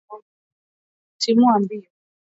Timua mbio.